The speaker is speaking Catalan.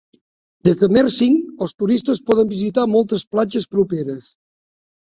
Des de Mersing, els turistes poden visitar moltes platges properes.